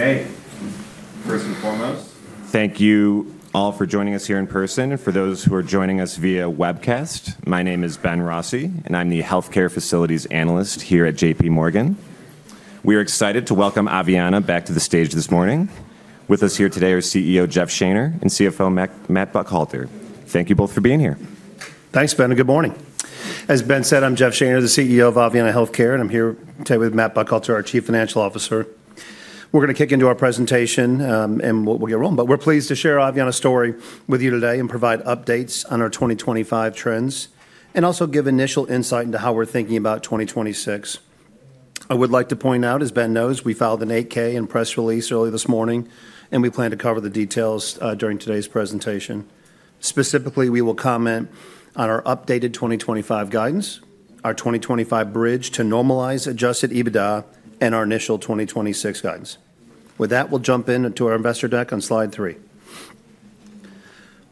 Okay. First and foremost, thank you all for joining us here in person. For those who are joining us via webcast, my name is Benjamin Rossi, and I'm the Healthcare Facilities Analyst here at J.P. Morgan. We are excited to welcome Aveanna back to the stage this morning. With us here today are CEO Jeff Shaner and CFO Matthew Buckhalter. Thank you both for being here. Thanks, Ben, and good morning. As Ben said, I'm Jeff Shaner, the CEO of Aveanna Healthcare, and I'm here today with Matt Buckhalter, our Chief Financial Officer. We're going to kick into our presentation and we'll get rolling, but we're pleased to share Aveanna's story with you today and provide updates on our 2025 trends and also give initial insight into how we're thinking about 2026. I would like to point out, as Ben knows, we filed a Form 8-K and press release early this morning, and we plan to cover the details during today's presentation. Specifically, we will comment on our updated 2025 guidance, our 2025 bridge to normalize Adjusted EBITDA, and our initial 2026 guidance. With that, we'll jump into our investor deck on Slide 3.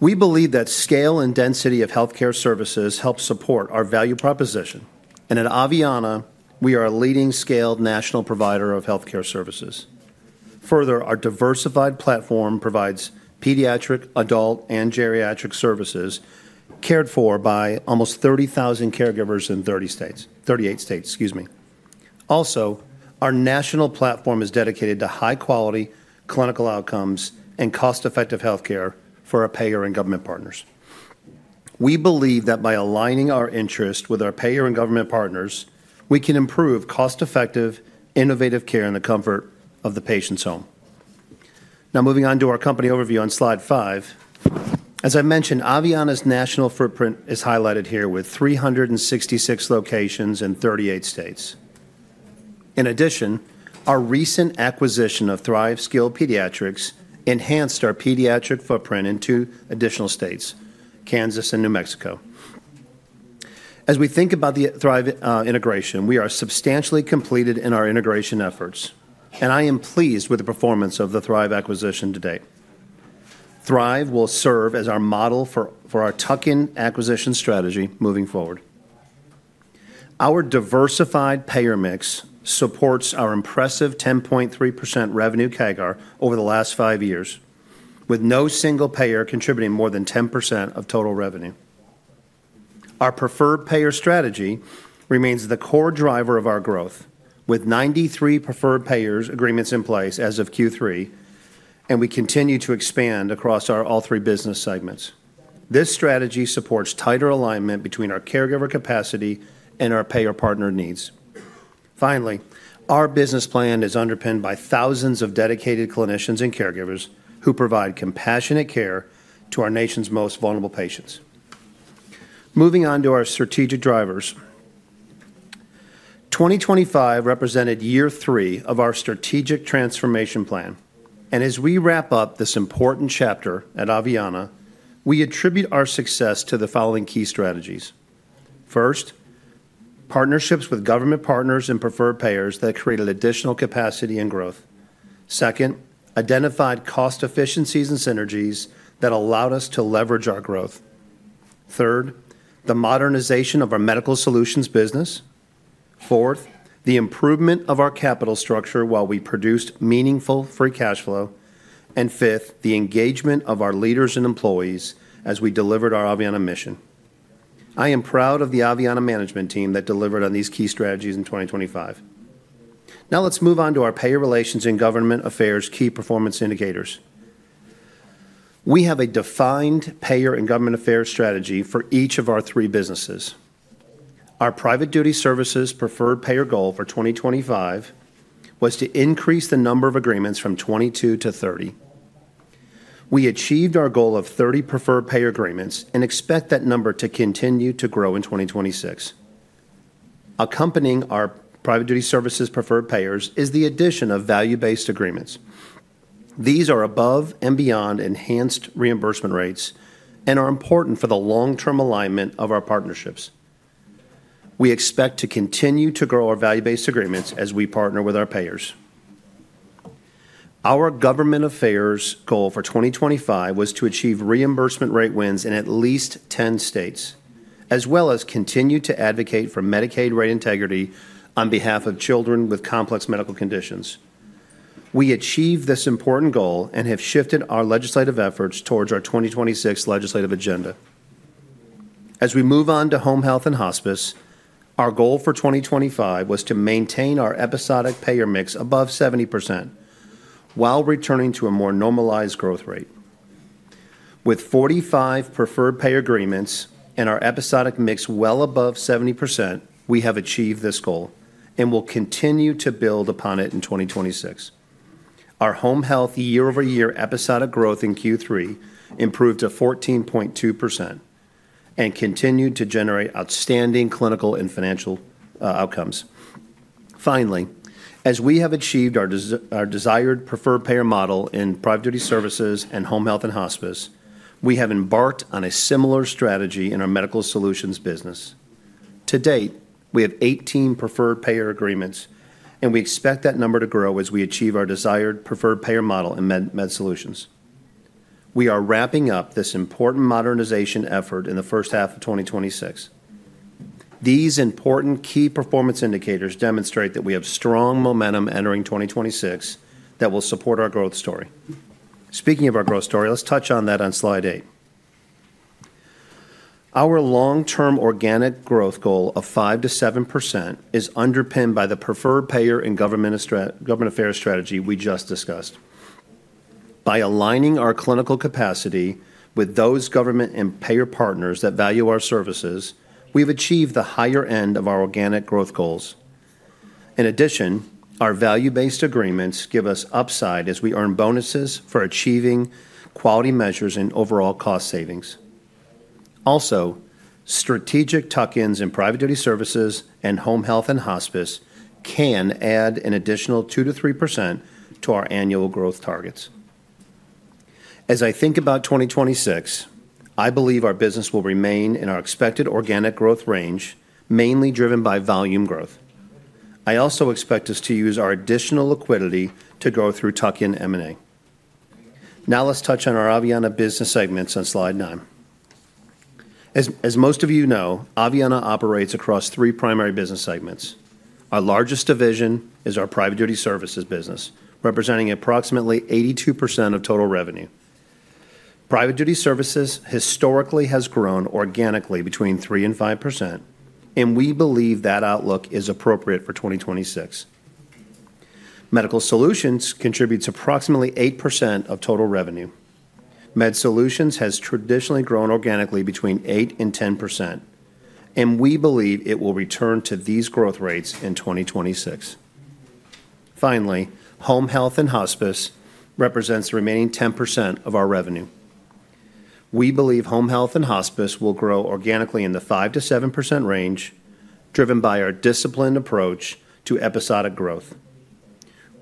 We believe that scale and density of healthcare services help support our value proposition, and at Aveanna, we are a leading scaled national provider of healthcare services. Further, our diversified platform provides pediatric, adult, and geriatric services cared for by almost 30,000 caregivers in 30 states, 38 states, excuse me. Also, our national platform is dedicated to high-quality clinical outcomes and cost-effective healthcare for our payer and government partners. We believe that by aligning our interest with our payer and government partners, we can improve cost-effective, innovative care in the comfort of the patient's home. Now, moving on to our company overview on Slide 5. As I mentioned, Aveanna's national footprint is highlighted here with 366 locations in 38 states. In addition, our recent acquisition of Thrive Skilled Pediatrics enhanced our pediatric footprint in two additional states, Kansas and New Mexico. As we think about the Thrive integration, we are substantially completed in our integration efforts, and I am pleased with the performance of the Thrive acquisition today. Thrive will serve as our model for our tuck-in acquisition strategy moving forward. Our diversified payer mix supports our impressive 10.3% revenue CAGR over the last five years, with no single payer contributing more than 10% of total revenue. Our preferred payer strategy remains the core driver of our growth, with 93 preferred payer agreements in place as of Q3, and we continue to expand across all three business segments. This strategy supports tighter alignment between our caregiver capacity and our payer partner needs. Finally, our business plan is underpinned by thousands of dedicated clinicians and caregivers who provide compassionate care to our nation's most vulnerable patients. Moving on to our strategic drivers, 2025 represented year three of our strategic transformation plan, and as we wrap up this important chapter at Aveanna, we attribute our success to the following key strategies. First, partnerships with government partners and preferred payers that created additional capacity and growth. Second, identified cost efficiencies and synergies that allowed us to leverage our growth. Third, the modernization of our Medical Solutions business. Fourth, the improvement of our capital structure while we produced meaningful free cash flow. And fifth, the engagement of our leaders and employees as we delivered our Aveanna mission. I am proud of the Aveanna management team that delivered on these key strategies in 2025. Now let's move on to our payer relations and government affairs key performance indicators. We have a defined payer and government affairs strategy for each of our three businesses. Our Private Duty Services preferred payer goal for 2025 was to increase the number of agreements from 22 to 30. We achieved our goal of 30 preferred payer agreements and expect that number to continue to grow in 2026. Accompanying our Private Duty Services preferred payers is the addition of value-based agreements. These are above and beyond enhanced reimbursement rates and are important for the long-term alignment of our partnerships. We expect to continue to grow our value-based agreements as we partner with our payers. Our government affairs goal for 2025 was to achieve reimbursement rate wins in at least 10 states, as well as continue to advocate for Medicaid rate integrity on behalf of children with complex medical conditions. We achieved this important goal and have shifted our legislative efforts towards our 2026 legislative agenda. As we move on to Home Health and Hospice, our goal for 2025 was to maintain our episodic payer mix above 70% while returning to a more normalized growth rate. With 45 preferred payer agreements and our episodic mix well above 70%, we have achieved this goal and will continue to build upon it in 2026. Our Home Health year-over-year episodic growth in Q3 improved to 14.2% and continued to generate outstanding clinical and financial outcomes. Finally, as we have achieved our desired preferred payer model in Private Duty Services and Home Health and Hospice, we have embarked on a similar strategy in our Medical Solutions business. To date, we have 18 preferred payer agreements, and we expect that number to grow as we achieve our desired preferred payer model in Med Solutions. We are wrapping up this important modernization effort in the first half of 2026. These important key performance indicators demonstrate that we have strong momentum entering 2026 that will support our growth story. Speaking of our growth story, let's touch on that on Slide 8. Our long-term organic growth goal of 5% to 7% is underpinned by the preferred payer and government affairs strategy we just discussed. By aligning our clinical capacity with those government and payer partners that value our services, we've achieved the higher end of our organic growth goals. In addition, our value-based agreements give us upside as we earn bonuses for achieving quality measures and overall cost savings. Also, strategic tuck-ins in Private Duty Services and Home Health and Hospice can add an additional 2% to 3% to our annual growth targets. As I think about 2026, I believe our business will remain in our expected organic growth range, mainly driven by volume growth. I also expect us to use our additional liquidity to grow through tuck-in M&A. Now let's touch on our Aveanna business segments on Slide 9. As most of you know, Aveanna operates across three primary business segments. Our largest division is our Private Duty Services business, representing approximately 82% of total revenue. Private Duty Services historically has grown organically between 3% and 5%, and we believe that outlook is appropriate for 2026. Medical Solutions contributes approximately 8% of total revenue. Med Solutions has traditionally grown organically between 8% and 10%, and we believe it will return to these growth rates in 2026. Finally, Home Health and Hospice represents the remaining 10% of our revenue. We believe Home Health and Hospice will grow organically in the 5% to 7% range, driven by our disciplined approach to episodic growth.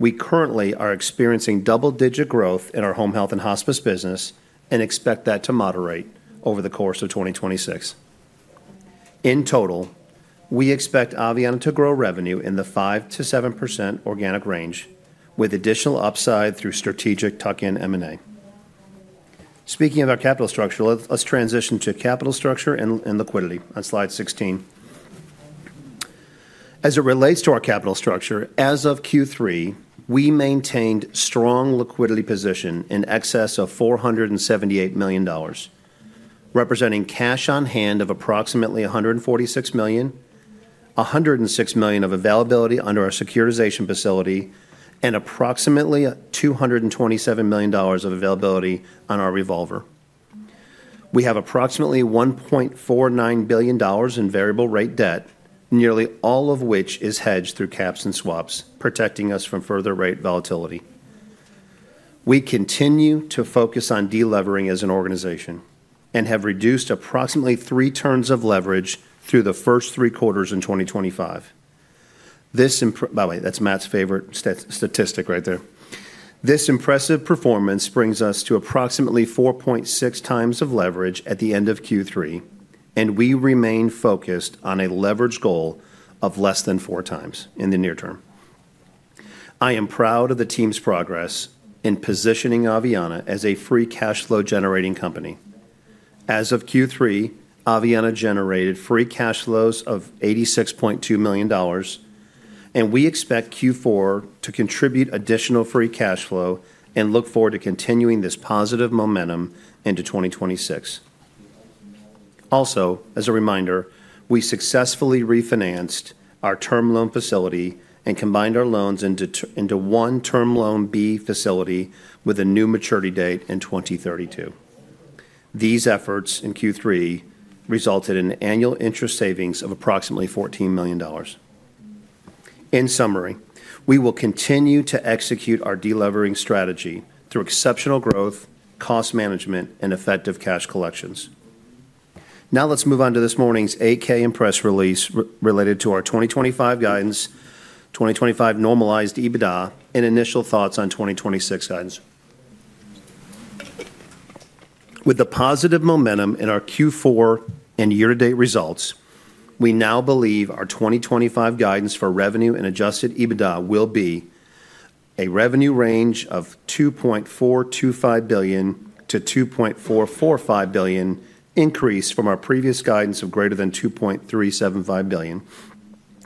We currently are experiencing double-digit growth in our Home Health and Hospice business and expect that to moderate over the course of 2026. In total, we expect Aveanna to grow revenue in the 5% to 7% organic range, with additional upside through strategic tuck-in M&A. Speaking of our capital structure, let's transition to capital structure and liquidity on Slide 16. As it relates to our capital structure, as of Q3, we maintained a strong liquidity position in excess of $478 million, representing cash on hand of approximately $146 million, $106 million of availability under our securitization facility, and approximately $227 million of availability on our revolver. We have approximately $1.49 billion in variable-rate debt, nearly all of which is hedged through caps and swaps, protecting us from further rate volatility. We continue to focus on delevering as an organization and have reduced approximately three turns of leverage through the first three quarters in 2025. This, by the way, that's Matt's favorite statistic right there. This impressive performance brings us to approximately 4.6 times of leverage at the end of Q3, and we remain focused on a leverage goal of less than four times in the near term. I am proud of the team's progress in positioning Aveanna as a free cash flow-generating company. As of Q3, Aveanna generated free cash flows of $86.2 million, and we expect Q4 to contribute additional free cash flow and look forward to continuing this positive momentum into 2026. Also, as a reminder, we successfully refinanced our term loan facility and combined our loans into one Term Loan B facility with a new maturity date in 2032. These efforts in Q3 resulted in annual interest savings of approximately $14 million. In summary, we will continue to execute our delevering strategy through exceptional growth, cost management, and effective cash collections. Now let's move on to this morning's 8-K and press release related to our 2025 guidance, 2025 normalized EBITDA, and initial thoughts on 2026 guidance. With the positive momentum in our Q4 and year-to-date results, we now believe our 2025 guidance for revenue and adjusted EBITDA will be a revenue range of $2.425 billion-$2.445 billion, increased from our previous guidance of greater than $2.375 billion,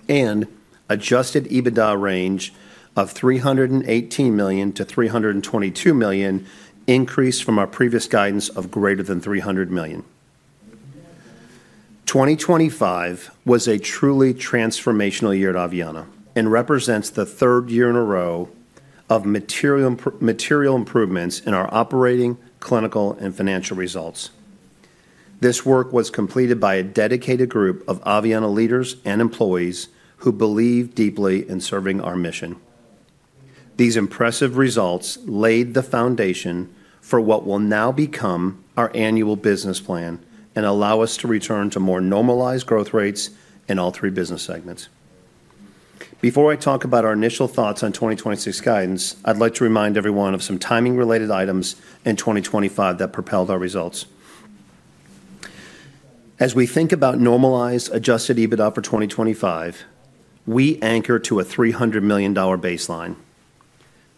and adjusted EBITDA range of $318 million-$322 million, increased from our previous guidance of greater than $300 million. 2025 was a truly transformational year at Aveanna and represents the third year in a row of material improvements in our operating, clinical, and financial results. This work was completed by a dedicated group of Aveanna leaders and employees who believe deeply in serving our mission. These impressive results laid the foundation for what will now become our annual business plan and allow us to return to more normalized growth rates in all three business segments. Before I talk about our initial thoughts on 2026 guidance, I'd like to remind everyone of some timing-related items in 2025 that propelled our results. As we think about normalized Adjusted EBITDA for 2025, we anchor to a $300 million baseline.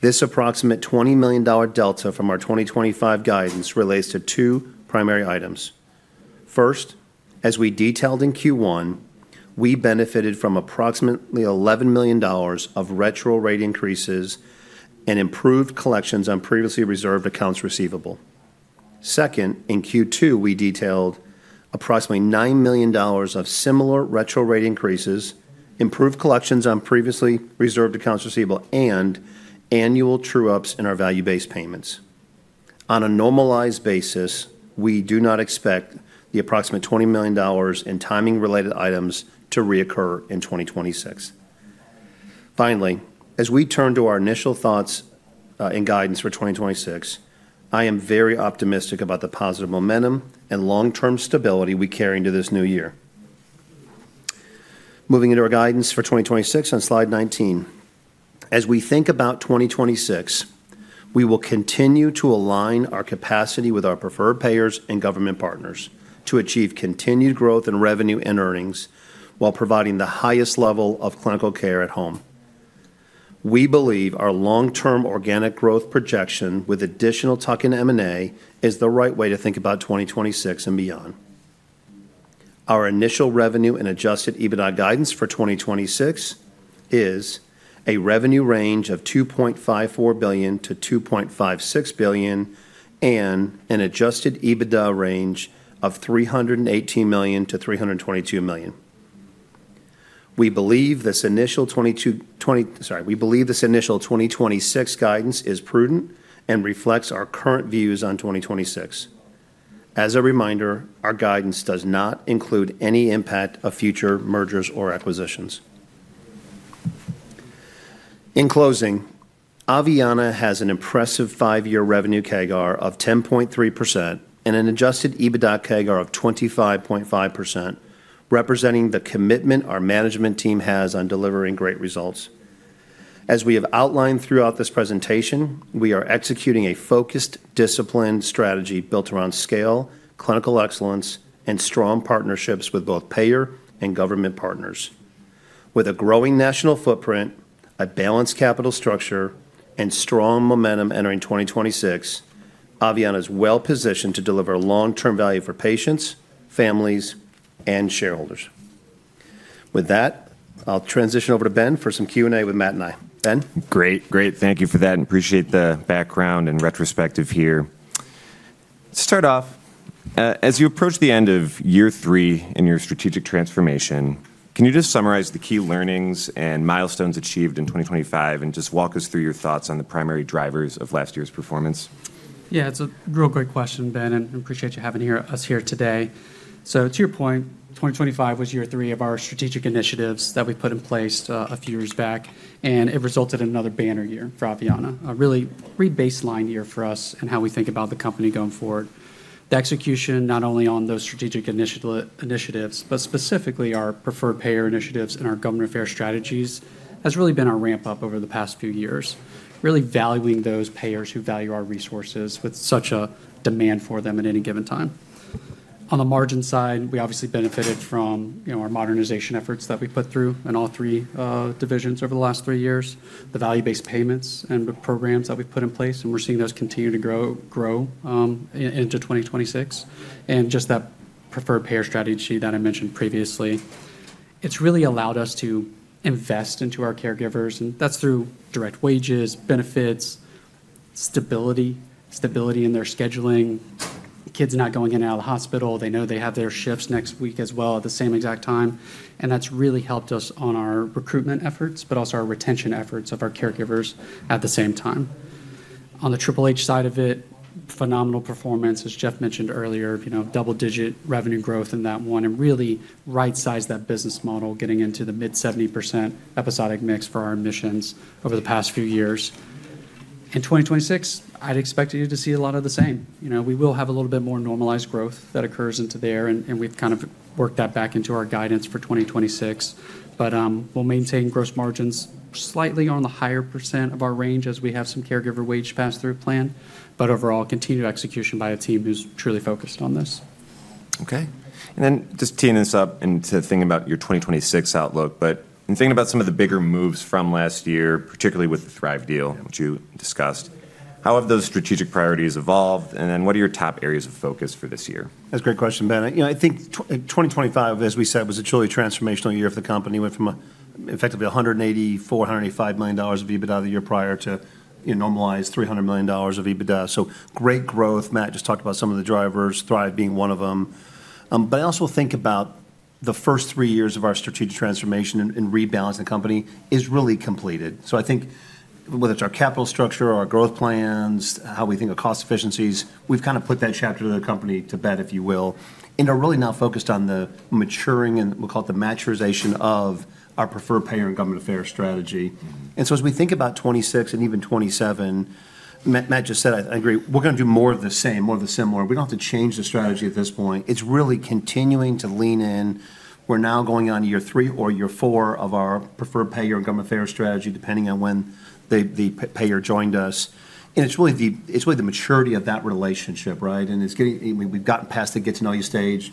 This approximate $20 million delta from our 2025 guidance relates to two primary items. First, as we detailed in Q1, we benefited from approximately $11 million of retro rate increases and improved collections on previously reserved accounts receivable. Second, in Q2, we detailed approximately $9 million of similar retro rate increases, improved collections on previously reserved accounts receivable, and annual true-ups in our value-based payments. On a normalized basis, we do not expect the approximate $20 million in timing-related items to reoccur in 2026. Finally, as we turn to our initial thoughts and guidance for 2026, I am very optimistic about the positive momentum and long-term stability we carry into this new year. Moving into our guidance for 2026 on Slide 19. As we think about 2026, we will continue to align our capacity with our preferred payers and government partners to achieve continued growth in revenue and earnings while providing the highest level of clinical care at home. We believe our long-term organic growth projection with additional tuck-in M&A is the right way to think about 2026 and beyond. Our initial revenue and adjusted EBITDA guidance for 2026 is a revenue range of $2.54-$2.56 billion and an adjusted EBITDA range of $318-$322 million. We believe this initial 2026 guidance is prudent and reflects our current views on 2026. As a reminder, our guidance does not include any impact of future mergers or acquisitions. In closing, Aveanna has an impressive five-year revenue CAGR of 10.3% and an adjusted EBITDA CAGR of 25.5%, representing the commitment our management team has on delevering great results. As we have outlined throughout this presentation, we are executing a focused, disciplined strategy built around scale, clinical excellence, and strong partnerships with both payer and government partners. With a growing national footprint, a balanced capital structure, and strong momentum entering 2026, Aveanna is well-positioned to deliver long-term value for patients, families, and shareholders. With that, I'll transition over to Ben for some Q&A with Matt and I. Ben. Great. Great. Thank you for that. And I appreciate the background and retrospective here. To start off, as you approach the end of year three in your strategic transformation, can you just summarize the key learnings and milestones achieved in 2025 and just walk us through your thoughts on the primary drivers of last year's performance? Yeah, it's a real great question, Ben, and I appreciate you having us here today. So, to your point, 2025 was year three of our strategic initiatives that we put in place a few years back, and it resulted in another banner year for Aveanna, a really great baseline year for us and how we think about the company going forward. The execution, not only on those strategic initiatives, but specifically our preferred payer initiatives and our government affairs strategies, has really been our ramp-up over the past few years, really valuing those payers who value our resources with such a demand for them at any given time. On the margin side, we obviously benefited from our modernization efforts that we put through in all three divisions over the last three years, the value-based payments and programs that we've put in place, and we're seeing those continue to grow into 2026, and just that preferred payer strategy that I mentioned previously, it's really allowed us to invest into our caregivers, and that's through direct wages, benefits, stability, stability in their scheduling, kids not going in and out of the hospital. They know they have their shifts next week as well at the same exact time. And that's really helped us on our recruitment efforts, but also our retention efforts of our caregivers at the same time. On the Triple H side of it, phenomenal performance, as Jeff mentioned earlier, double-digit revenue growth in that one and really right-sized that business model, getting into the mid-70% episodic mix for our missions over the past few years. In 2026, I'd expect you to see a lot of the same. We will have a little bit more normalized growth that occurs into there, and we've kind of worked that back into our guidance for 2026. But we'll maintain gross margins slightly on the higher percent of our range as we have some caregiver wage pass-through plan, but overall, continued execution by a team who's truly focused on this. Okay. And then just teeing us up into thinking about your 2026 outlook, but in thinking about some of the bigger moves from last year, particularly with the Thrive deal, which you discussed, how have those strategic priorities evolved? And then what are your top areas of focus for this year? That's a great question, Ben. I think 2025, as we said, was a truly transformational year for the company. We went from effectively $184 to $185 million of EBITDA the year prior to normalized $300 million of EBITDA. So great growth. Matt just talked about some of the drivers, Thrive being one of them. But I also think about the first three years of our strategic transformation and rebalancing the company is really completed. I think whether it's our capital structure or our growth plans, how we think of cost efficiencies, we've kind of put that chapter of the company to bed, if you will, and are really now focused on the maturing and we'll call it the maturation of our preferred payer and government affairs strategy. As we think about 2026 and even 2027, Matt just said, I agree, we're going to do more of the same, more of the similar. We don't have to change the strategy at this point. It's really continuing to lean in. We're now going on year three or year four of our preferred payer and government affairs strategy, depending on when the payer joined us. It's really the maturity of that relationship, right? It's getting, we've gotten past the get-to-know-you stage.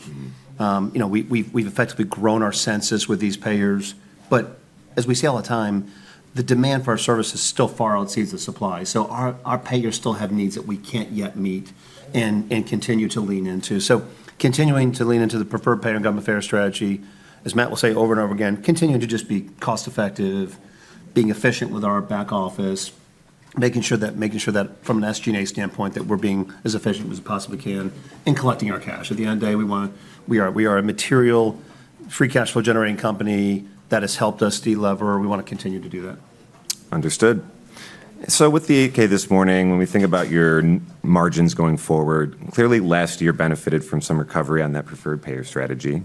We've effectively grown our census with these payers. But as we see all the time, the demand for our services still far exceeds the supply. So our payers still have needs that we can't yet meet and continue to lean into. So continuing to lean into the preferred payer and government affairs strategy, as Matt will say over and over again, continuing to just be cost-effective, being efficient with our back office, making sure that from an SG&A standpoint, that we're being as efficient as we possibly can in collecting our cash. At the end of the day, we are a material, free cash flow-generating company that has helped us deliver. We want to continue to do that. Understood. So with the Form 8-K this morning, when we think about your margins going forward, clearly last year benefited from some recovery on that preferred payer strategy.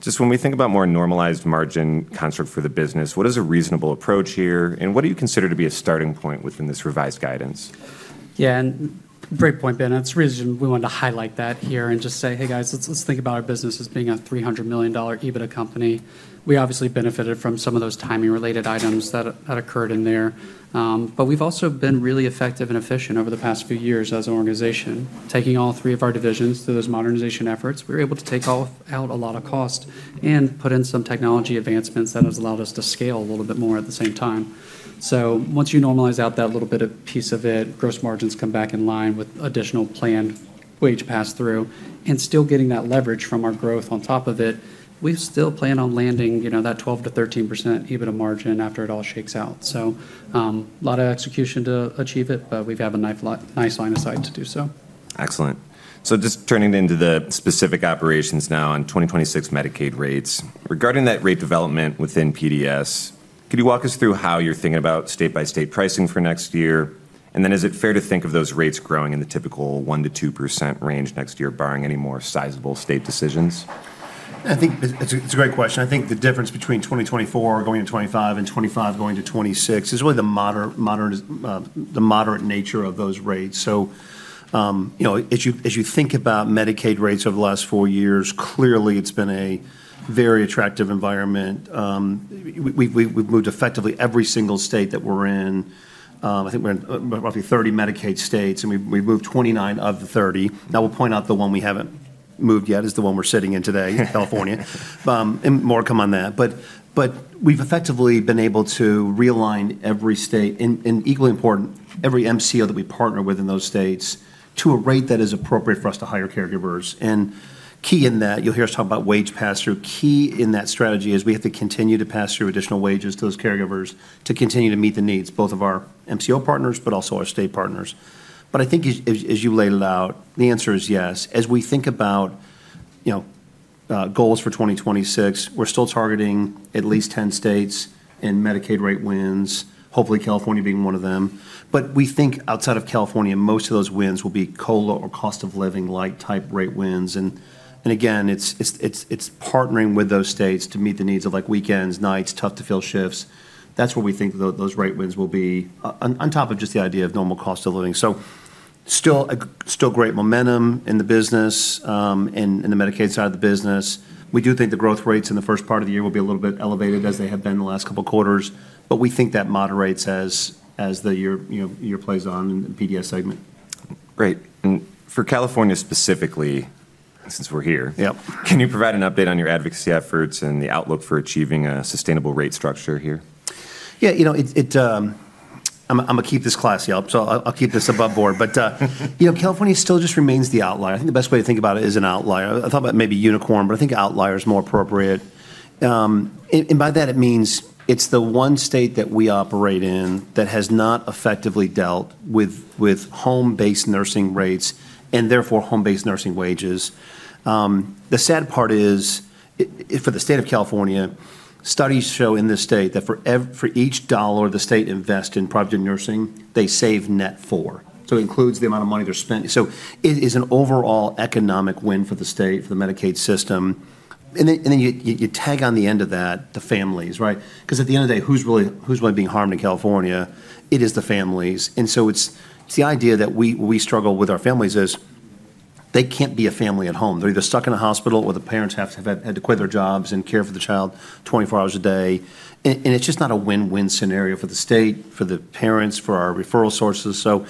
Just when we think about more normalized margin construct for the business, what is a reasonable approach here? And what do you consider to be a starting point within this revised guidance? Yeah, and great point, Ben. That's reason we wanted to highlight that here and just say, "Hey, guys, let's think about our business as being a $300 million EBITDA company." We obviously benefited from some of those timing-related items that occurred in there. But we've also been really effective and efficient over the past few years as an organization, taking all three of our divisions through those modernization efforts. We were able to take out a lot of cost and put in some technology advancements that have allowed us to scale a little bit more at the same time. So once you normalize out that little bit of piece of it, gross margins come back in line with additional planned wage pass-through and still getting that leverage from our growth on top of it, we still plan on landing that 12% to 13% EBITDA margin after it all shakes out. So a lot of execution to achieve it, but we've had a nice line of sight to do so. Excellent. So just turning it into the specific operations now on 2026 Medicaid rates. Regarding that rate development within PDS, could you walk us through how you're thinking about state-by-state pricing for next year? And then is it fair to think of those rates growing in the typical 1%-2% range next year, barring any more sizable state decisions? I think it's a great question. I think the difference between 2024 going to 2025 and 2025 going to 2026 is really the moderate nature of those rates, so as you think about Medicaid rates over the last four years, clearly it's been a very attractive environment. We've moved effectively every single state that we're in. I think we're in roughly 30 Medicaid states, and we've moved 29 of the 30. Now, we'll point out the one we haven't moved yet is the one we're sitting in today, California, and more to come on that, but we've effectively been able to realign every state and, equally important, every MCO that we partner with in those states to a rate that is appropriate for us to hire caregivers, and key in that, you'll hear us talk about wage pass-through. Key in that strategy is we have to continue to pass through additional wages to those caregivers to continue to meet the needs both of our MCO partners, but also our state partners. But I think, as you laid it out, the answer is yes. As we think about goals for 2026, we're still targeting at least 10 states and Medicaid rate wins, hopefully California being one of them. But we think outside of California, most of those wins will be COLA or cost of living-like type rate wins. And again, it's partnering with those states to meet the needs of weekends, nights, tough-to-fill shifts. That's where we think those rate wins will be on top of just the idea of normal cost of living. So still great momentum in the business, in the Medicaid side of the business. We do think the growth rates in the first part of the year will be a little bit elevated as they have been in the last couple of quarters, but we think that moderates as the year plays on in the PDS segment. Great. And for California specifically, since we're here, can you provide an update on your advocacy efforts and the outlook for achieving a sustainable rate structure here? Yeah, I'm going to keep this classy up, so I'll keep this above board. But California still just remains the outlier. I think the best way to think about it is an outlier. I thought about maybe unicorn, but I think outlier is more appropriate. And by that, it means it's the one state that we operate in that has not effectively dealt with home-based nursing rates and therefore home-based nursing wages. The sad part is, for the state of California, studies show in this state that for each dollar the state invests in private nursing, they save net four. So it includes the amount of money they're spending. So it is an overall economic win for the state, for the Medicaid system. And then you tag on the end of that, the families, right? Because at the end of the day, who's really being harmed in California? It is the families. And so it's the idea that we struggle with our families is they can't be a family at home. They're either stuck in a hospital or the parents have to quit their jobs and care for the child 24 hours a day. And it's just not a win-win scenario for the state, for the parents, for our referral sources. So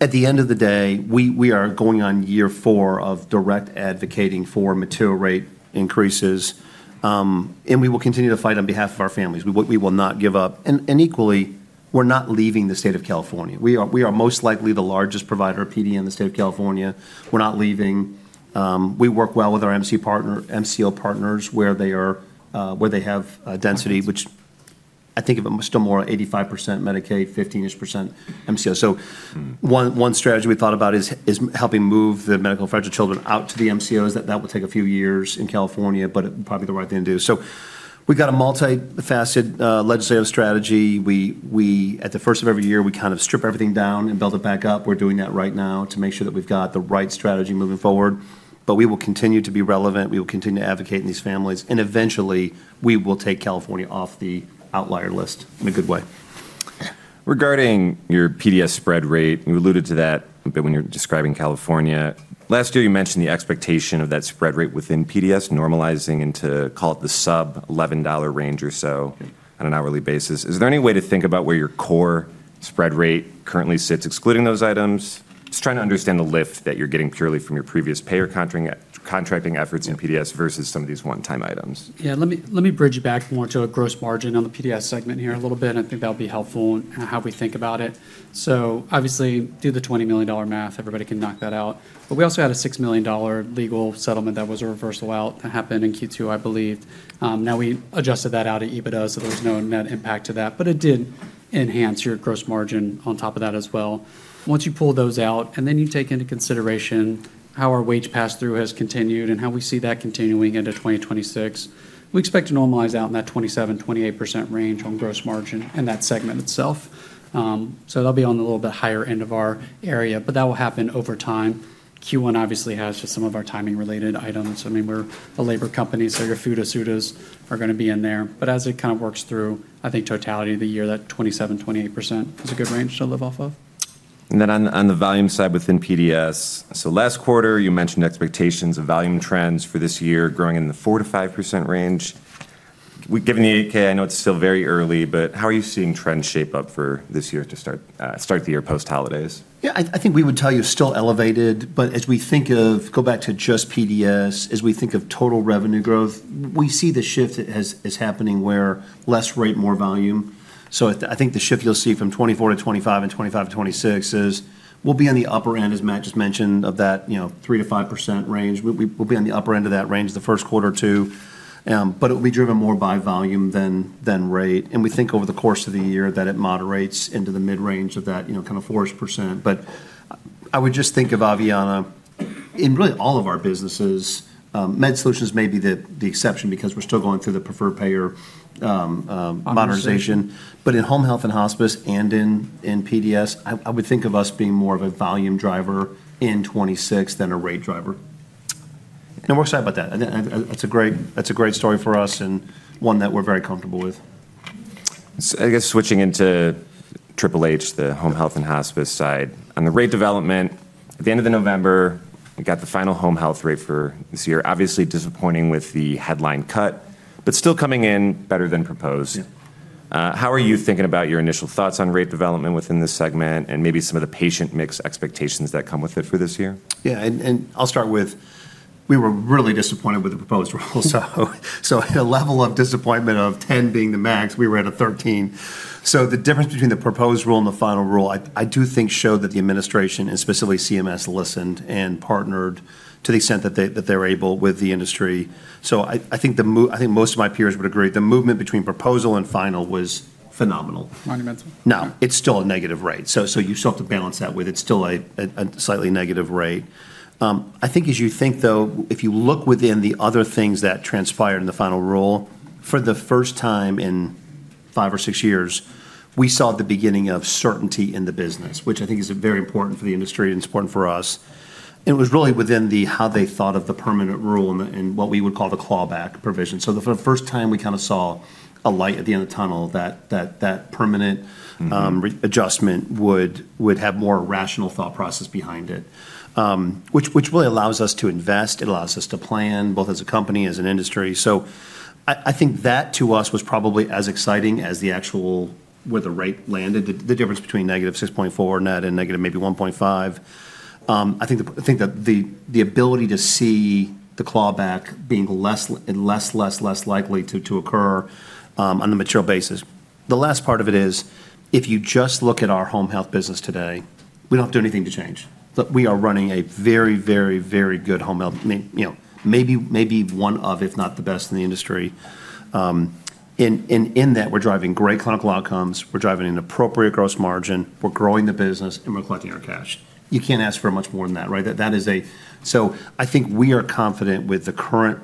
at the end of the day, we are going on year four of direct advocating for material rate increases. And we will continue to fight on behalf of our families. We will not give up. And equally, we're not leaving the state of California. We are most likely the largest provider of PD in the state of California. We're not leaving. We work well with our MCO partners where they have density, which I think it's still more 85% Medicaid, 15-ish% MCO. So one strategy we thought about is helping move the medically fragile children out to the MCOs. That will take a few years in California, but it would probably be the right thing to do. So we've got a multifaceted legislative strategy. At the first of every year, we kind of strip everything down and build it back up. We're doing that right now to make sure that we've got the right strategy moving forward. But we will continue to be relevant. We will continue to advocate in these families. And eventually, we will take California off the outlier list in a good way. Regarding your PDS spread rate, you alluded to that a bit when you're describing California. Last year, you mentioned the expectation of that spread rate within PDS normalizing into, call it the sub-$11 range or so on an hourly basis. Is there any way to think about where your core spread rate currently sits, excluding those items? Just trying to understand the lift that you're getting purely from your previous payer contracting efforts in PDS versus some of these one-time items. Yeah, let me bridge back more to a gross margin on the PDS segment here a little bit. I think that'll be helpful in how we think about it. So obviously, do the $20 million math. Everybody can knock that out. But we also had a $6 million legal settlement that was a reversal out that happened in Q2, I believe. Now, we adjusted that out of EBITDA, so there was no net impact to that. But it did enhance your gross margin on top of that as well. Once you pull those out, and then you take into consideration how our wage pass-through has continued and how we see that continuing into 2026, we expect to normalize out in that 27%-28% range on gross margin and that segment itself. So that'll be on the little bit higher end of our area, but that will happen over time. Q1 obviously has just some of our timing-related items. I mean, we're a labor company, so your food issues are going to be in there. But as it kind of works through, I think totality of the year, that 27%-28% is a good range to live off of. And then on the volume side within PDS, so last quarter, you mentioned expectations of volume trends for this year growing in the 4%-5% range. Given the Form 8-K, I know it's still very early, but how are you seeing trends shape up for this year to start the year post-holidays? Yeah, I think we would tell you still elevated. But as we think of go back to just PDS, as we think of total revenue growth, we see the shift that is happening where less rate, more volume. I think the shift you'll see from 2024 to 2025 and 2025 to 2026 is we'll be on the upper end, as Matt just mentioned, of that 3%-5% range. We'll be on the upper end of that range the first quarter or two. It will be driven more by volume than rate. We think over the course of the year that it moderates into the mid-range of that kind of 4%. I would just think of Aveanna in really all of our businesses. Med Solutions may be the exception because we're still going through the preferred payer modernization. In Home Health and Hospice and in PDS, I would think of us being more of a volume driver in 2026 than a rate driver. We're excited about that. That's a great story for us and one that we're very comfortable with. I guess switching into Triple H, the Home Health and Hospice side. On the rate development, at the end of November, we got the final home health rate for this year. Obviously disappointing with the headline cut, but still coming in better than proposed. How are you thinking about your initial thoughts on rate development within this segment and maybe some of the patient mix expectations that come with it for this year? Yeah, and I'll start with, we were really disappointed with the proposed rule. So at a level of disappointment of 10 being the max, we were at a 13. So the difference between the proposed rule and the final rule, I do think showed that the administration, and specifically CMS, listened and partnered to the extent that they were able with the industry. So I think most of my peers would agree the movement between proposal and final was phenomenal. Monumental. Now, it's still a negative rate. So you still have to balance that with it's still a slightly negative rate. I think as you think, though, if you look within the other things that transpired in the final rule, for the first time in five or six years, we saw the beginning of certainty in the business, which I think is very important for the industry and important for us. And it was really within the how they thought of the permanent rule and what we would call the clawback provision. So for the first time, we kind of saw a light at the end of the tunnel that that permanent adjustment would have more rational thought process behind it, which really allows us to invest. It allows us to plan both as a company, as an industry. I think that to us was probably as exciting as the actual where the rate landed, the difference between -6.4% net and negative maybe 1.5%. I think that the ability to see the clawback being less and less likely to occur on the material basis. The last part of it is, if you just look at our home health business today, we don't have to do anything to change. We are running a very, very, very good home health, maybe one of, if not the best in the industry. In that, we're driving great clinical outcomes. We're driving an appropriate gross margin. We're growing the business, and we're collecting our cash. You can't ask for much more than that, right? So, I think we are confident with the current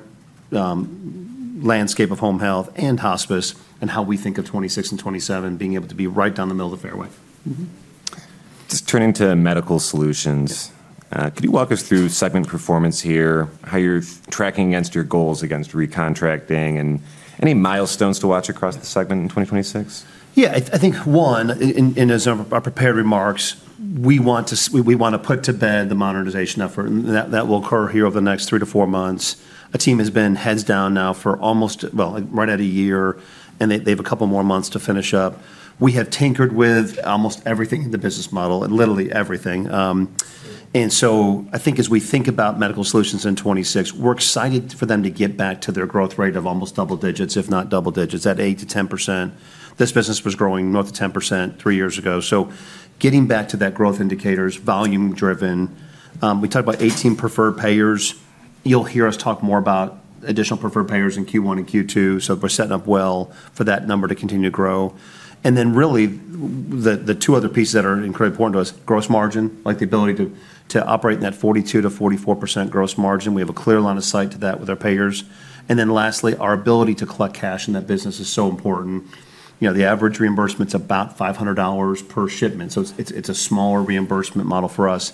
landscape of Home Health and Hospice and how we think of 2026 and 2027 being able to be right down the middle of the fairway. Just turning to Medical Solutions, could you walk us through segment performance here, how you're tracking against your goals against recontracting and any milestones to watch across the segment in 2026? Yeah, I think one, as of our prepared remarks, we want to put to bed the modernization effort. And that will occur here over the next three to four months. A team has been heads down now for almost, well, right at a year, and they have a couple more months to finish up. We have tinkered with almost everything in the business model, literally everything. And so I think as we think about Medical Solutions in 2026, we're excited for them to get back to their growth rate of almost double digits, if not double digits, at 8% to 10%. This business was growing north of 10% three years ago. So getting back to that growth indicators, volume-driven, we talked about 18 preferred payers. You'll hear us talk more about additional preferred payers in Q1 and Q2. So we're setting up well for that number to continue to grow. And then really, the two other pieces that are incredibly important to us, gross margin, like the ability to operate in that 42% to 44% gross margin. We have a clear line of sight to that with our payers. And then lastly, our ability to collect cash in that business is so important. The average reimbursement's about $500 per shipment. It's a smaller reimbursement model for us.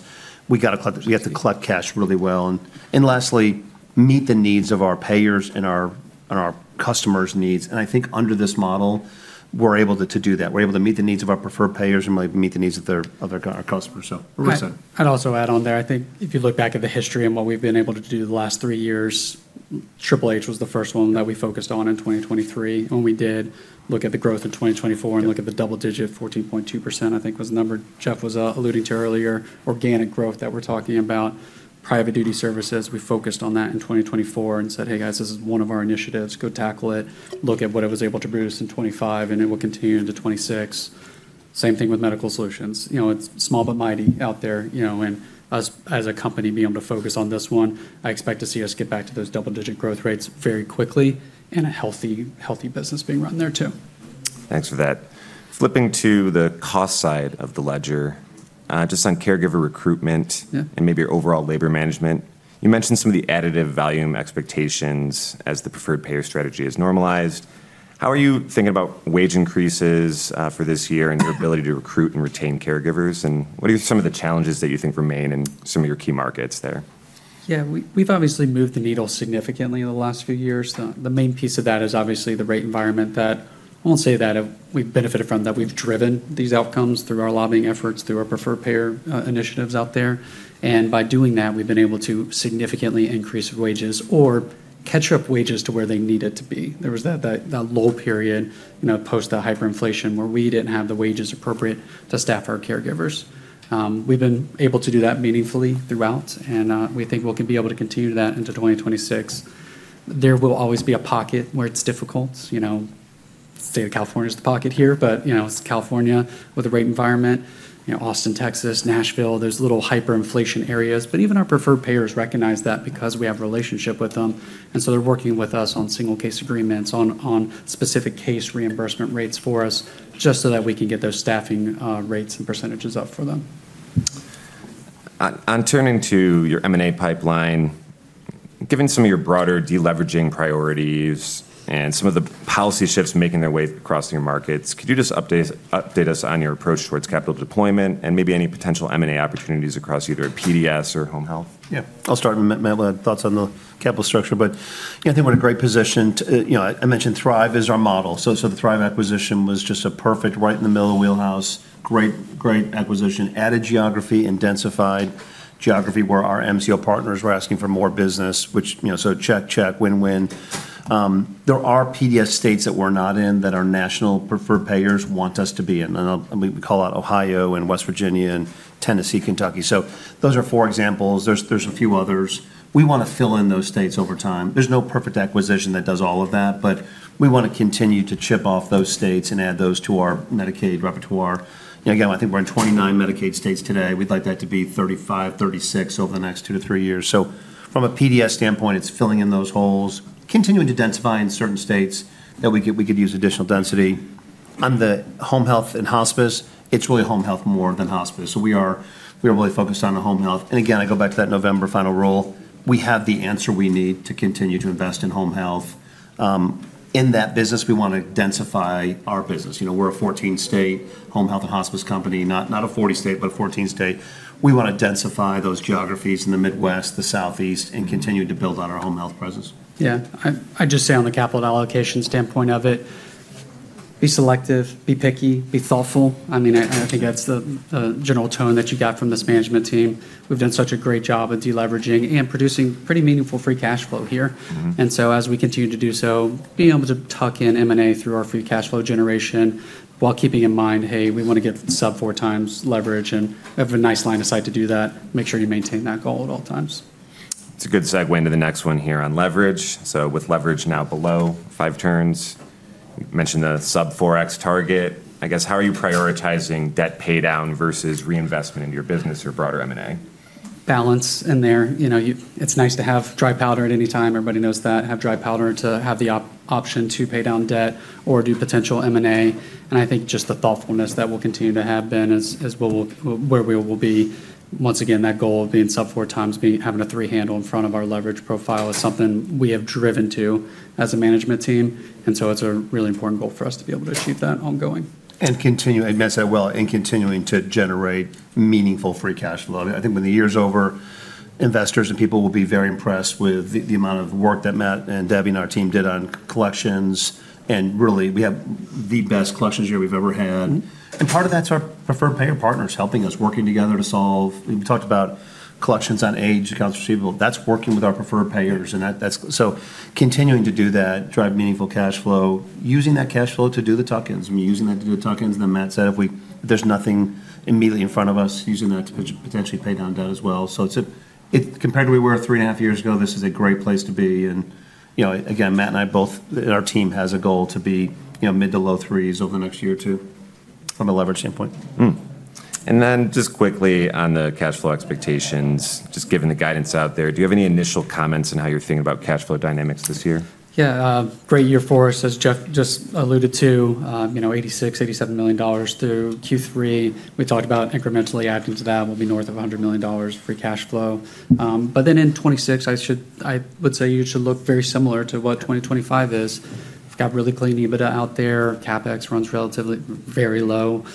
We have to collect cash really well. And lastly, meet the needs of our payers and our customers' needs. And I think under this model, we're able to do that. We're able to meet the needs of our preferred payers and really meet the needs of our customers. So we're excited. I'd also add on there, I think if you look back at the history and what we've been able to do the last three years, Triple H was the first one that we focused on in 2023. And we did look at the growth in 2024 and look at the double-digit 14.2%, I think was the number Jeff was alluding to earlier, organic growth that we're talking about, Private Duty Services. We focused on that in 2024 and said, "Hey, guys, this is one of our initiatives. Go tackle it. Look at what it was able to produce in 2025, and it will continue into 2026. Same thing with Medical Solutions. It's small but mighty out there, and us as a company being able to focus on this one, I expect to see us get back to those double-digit growth rates very quickly and a healthy business being run there too. Thanks for that. Flipping to the cost side of the ledger, just on caregiver recruitment and maybe your overall labor management, you mentioned some of the additive volume expectations as the Preferred Payer Strategy has normalized. How are you thinking about wage increases for this year and your ability to recruit and retain caregivers, and what are some of the challenges that you think remain in some of your key markets there? Yeah, we've obviously moved the needle significantly in the last few years. The main piece of that is obviously the rate environment that I won't say that we've benefited from, that we've driven these outcomes through our lobbying efforts, through our preferred payer initiatives out there, and by doing that, we've been able to significantly increase wages or catch up wages to where they needed to be. There was that low period post-hyperinflation where we didn't have the wages appropriate to staff our caregivers. We've been able to do that meaningfully throughout, and we think we'll be able to continue that into 2026. There will always be a pocket where it's difficult. The state of California is the pocket here, but it's California with a rate environment, Austin, Texas, Nashville. There's little hyperinflation areas, but even our preferred payers recognize that because we have a relationship with them. And so they're working with us on single-case agreements, on specific case reimbursement rates for us, just so that we can get those staffing rates and percentages up for them. On turning to your M&A pipeline, given some of your broader deleveraging priorities and some of the policy shifts making their way across your markets, could you just update us on your approach towards capital deployment and maybe any potential M&A opportunities across either PDS or home health? Yeah, I'll start with my thoughts on the capital structure. But I think we're in a great position. I mentioned Thrive is our model. So the Thrive acquisition was just a perfect right in the middle of the wheelhouse, great acquisition, added geography, and densified geography where our MCO partners were asking for more business, which so check, check, win-win. There are PDS states that we're not in that our national preferred payers want us to be in. We call out Ohio and West Virginia and Tennessee, Kentucky. So those are four examples. There's a few others. We want to fill in those states over time. There's no perfect acquisition that does all of that, but we want to continue to chip off those states and add those to our Medicaid repertoire. Again, I think we're in 29 Medicaid states today. We'd like that to be 35, 36 over the next two to three years. So from a PDS standpoint, it's filling in those holes, continuing to densify in certain states that we could use additional density. On the Home Health and Hospice, it's really home health more than hospice. So we are really focused on the home health. And again, I go back to that November final rule. We have the answer we need to continue to invest in home health. In that business, we want to densify our business. We're a 14-state Home Health and Hospice company, not a 40-state, but a 14-state. We want to densify those geographies in the Midwest, the Southeast, and continue to build on our home health presence. Yeah, I'd just say on the capital allocation standpoint of it, be selective, be picky, be thoughtful. I mean, I think that's the general tone that you got from this management team. We've done such a great job of deleveraging and producing pretty meaningful free cash flow here. And so as we continue to do so, being able to tuck-in M&A through our free cash flow generation while keeping in mind, "Hey, we want to get sub four times leverage," and we have a nice line of sight to do that, make sure you maintain that goal at all times. It's a good segue into the next one here on leverage. So with leverage now below five turns, you mentioned the sub-4X target. I guess how are you prioritizing debt paydown versus reinvestment in your business or broader M&A? Balance in there. It's nice to have dry powder at any time. Everybody knows that. Have dry powder to have the option to pay down debt or do potential M&A. And I think just the thoughtfulness that we'll continue to have been is where we will be. Once again, that goal of being sub four times, having a three-handle in front of our leverage profile is something we have driven to as a management team, and so it's a really important goal for us to be able to achieve that ongoing, and continuing to generate meaningful free cash flow. I think when the year's over, investors and people will be very impressed with the amount of work that Matt and Debbie and our team did on collections, and really, we have the best collections year we've ever had, and part of that's our preferred payer partners helping us, working together to solve. We talked about collections on aged accounts receivable. That's working with our preferred payers, and so continuing to do that, drive meaningful cash flow, using that cash flow to do the tuck-ins. I mean, using that to do the tuck-ins, then Matt said if there's nothing immediately in front of us, using that to potentially pay down debt as well. So compared to where we were three and a half years ago, this is a great place to be. And again, Matt and I both, our team has a goal to be mid to low threes over the next year or two from a leverage standpoint. And then just quickly on the cash flow expectations, just given the guidance out there, do you have any initial comments on how you're thinking about cash flow dynamics this year? Yeah, great year for us, as Jeff just alluded to, $86 to $87 million through Q3. We talked about incrementally adding to that. We'll be north of $100 million free cash flow. But then in 2026, I would say you should look very similar to what 2025 is. We've got really clean EBITDA out there. CapEx runs relatively very low.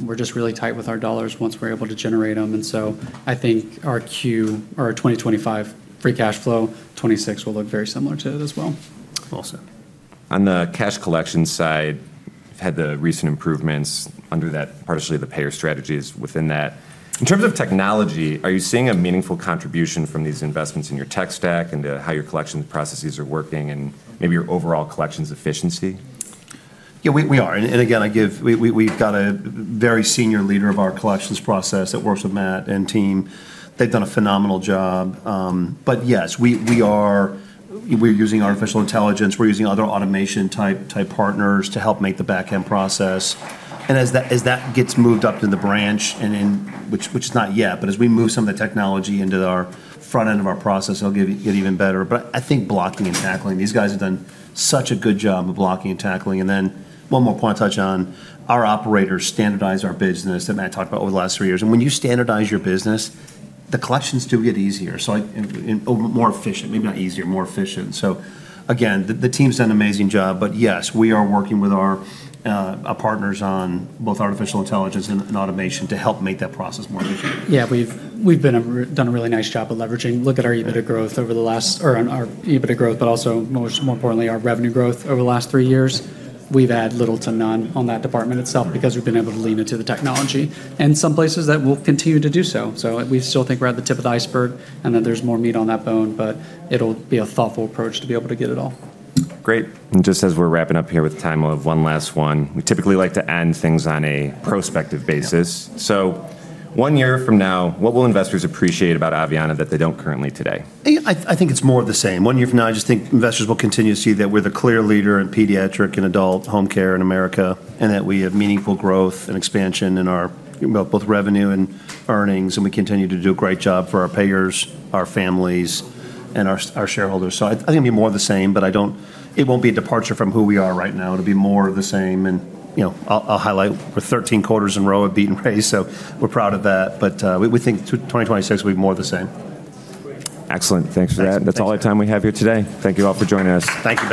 We're just really tight with our dollars once we're able to generate them. And so I think our Q or our 2025 free cash flow 2026 will look very similar to it as well. Awesome. On the cash collection side, you've had the recent improvements under that, partially the payer strategies within that. In terms of technology, are you seeing a meaningful contribution from these investments in your tech stack and how your collection processes are working and maybe your overall collections efficiency? Yeah, we are. And again, I give we've got a very senior leader of our collections process that works with Matt and team. They've done a phenomenal job. But yes, we are using artificial intelligence. We're using other automation-type partners to help make the backend process, and as that gets moved up to the branch, which is not yet, but as we move some of the technology into our front end of our process, it'll get even better. But I think blocking and tackling, these guys have done such a good job of blocking and tackling, and then one more point I'll touch on. Our operators standardize our business that Matt talked about over the last three years, and when you standardize your business, the collections do get easier, more efficient, maybe not easier, more efficient. So again, the team's done an amazing job, but yes, we are working with our partners on both artificial intelligence and automation to help make that process more efficient. Yeah, we've done a really nice job of leveraging. Look at our EBITDA growth over the last, but also more importantly, our revenue growth over the last three years. We've had little to none on that department itself because we've been able to lean into the technology in some places that will continue to do so. So we still think we're at the tip of the iceberg, and then there's more meat on that bone, but it'll be a thoughtful approach to be able to get it all. Great, and just as we're wrapping up here with time, we'll have one last one. We typically like to end things on a prospective basis, so one year from now, what will investors appreciate about Aveanna that they don't currently today? I think it's more of the same. One year from now, I just think investors will continue to see that we're the clear leader in pediatric and adult home care in America and that we have meaningful growth and expansion in both our revenue and earnings, and we continue to do a great job for our payers, our families, and our shareholders, so I think it'll be more of the same, but it won't be a departure from who we are right now. It'll be more of the same, and I'll highlight we're 13 quarters in a row of beating estimates, so we're proud of that, but we think 2026 will be more of the same. Excellent. Thanks for that. That's all the time we have here today. Thank you all for joining us. Thank you.